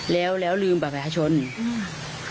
แล้วลืมแบบแหฮช็นห้ืม